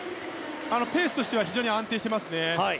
ペースとしては非常に安定していますね。